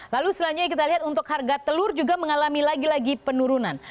lalu selanjutnya kita lihat untuk harga telur juga mengalami lagi lagi penurunan